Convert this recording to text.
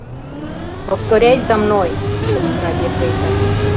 — Повторяй за мной, — кычкыра ефрейтор.